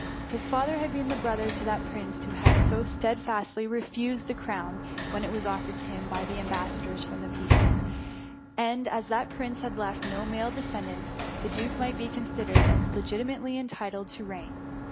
His father had been brother to that prince who had so stedfastly refused the crown when it was offered to him by the am bassadors from the people ; and as that prince had left no male descendants, the duke might be considered as legitimately entitled to reign.